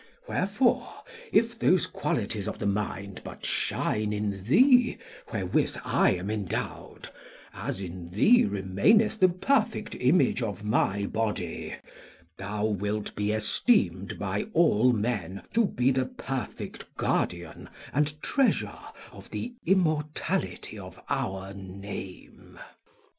Wherefore, if those qualities of the mind but shine in thee wherewith I am endowed, as in thee remaineth the perfect image of my body, thou wilt be esteemed by all men to be the perfect guardian and treasure of the immortality of our name.